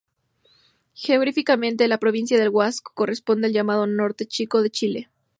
Geográficamente la provincia del Huasco corresponde al llamado Norte Chico de Chile.